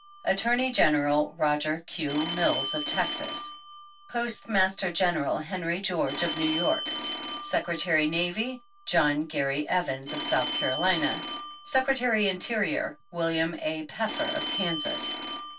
Attorney General — Roger Q. Mills, of Texas. Postmaster General — Henry George, of New York. Secretary Navy — John Gary Evans, of South Carolina. vSecretary Interior — William A. Peffer, of Kansas.